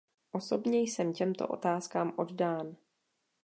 Osobně jsem těmto otázkám oddán.